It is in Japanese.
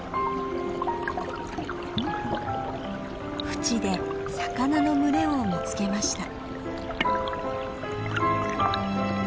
ふちで魚の群れを見つけました。